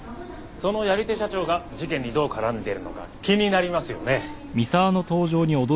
そのやり手社長が事件にどう絡んでいるのか気になりますよね。